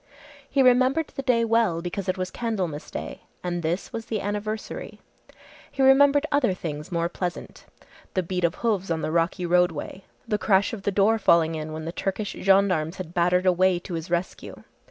He remembered the day well because it was Candlemas day, and this was the anniversary. He remembered other things more pleasant. The beat of hoofs on the rocky roadway, the crash of the door falling in when the Turkish Gendarmes had battered a way to his rescue.